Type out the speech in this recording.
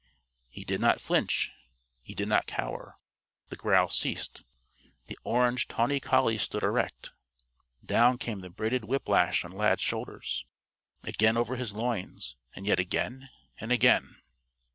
He did not flinch. He did not cower. The growl ceased. The orange tawny collie stood erect. Down came the braided whiplash on Lad's shoulders again over his loins, and yet again and again.